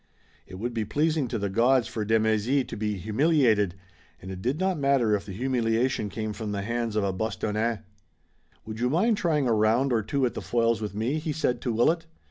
It would be pleasing to the gods for de Mézy to be humiliated, and it did not matter if the humiliation came from the hands of a Bostonnais. "Would you mind trying a round or two at the foils with me?" he said to Willet.